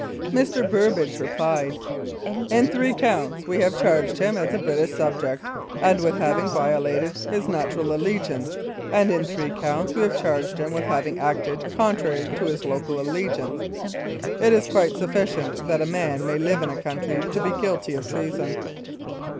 Mr. Burbridge replied :" In three counts we have charged him as a British subject and with having vio lated his natural allegiance, and in three counts we have charged him with having acted contrary to his local allegiance. It is quite sufficient that a man may live in a country to be guilty of treason."